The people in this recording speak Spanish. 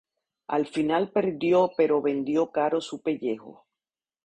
Al final perdió pero vendió caro su pellejo